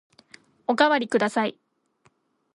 おかわりください。